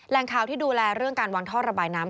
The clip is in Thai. ข่าวที่ดูแลเรื่องการวางท่อระบายน้ำ